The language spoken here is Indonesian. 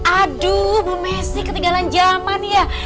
aduh bu messi ketinggalan zaman ya